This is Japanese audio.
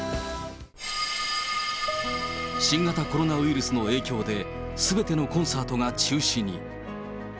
新型コロナウイルスの影響で、すべてのコンサートが中止に。